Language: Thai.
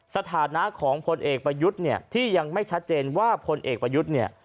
สถานะของพลเอกประยุทธ์เนี่ยที่ยังไม่ชัดเจนว่าพลเอกประยุทธ์เนี่ย